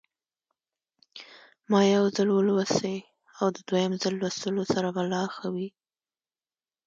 ما یو ځل ولوستی او د دویم ځل لوستلو سره به لا ښه وي.